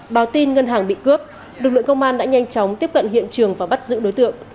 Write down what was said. báo tin ngân hàng bị cướp lực lượng công an đã nhanh chóng tiếp cận hiện trường và bắt giữ đối tượng